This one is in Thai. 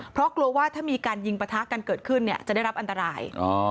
เพราะกลัวว่าถ้ามีการยิงปะทะกันเกิดขึ้นเนี่ยจะได้รับอันตราย